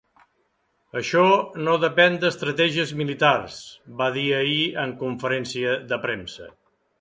Això no depèn d’estratègies militars, va dir ahir en conferència de premsa.